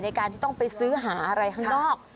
ในการที่ต้องไปซื้อหาอะไรข้างนอก